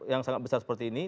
yang sangat besar seperti ini